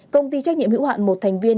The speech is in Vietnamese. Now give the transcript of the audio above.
công ty trách nhiệm hữu hạn một thành viên